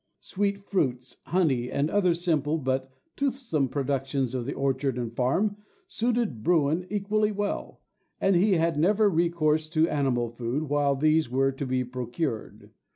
Sweet fruits, honey, and other simple but "toothsome" productions of the orchard and farm, suited bruin equally well, and he had never recourse to animal food while these were to be procured.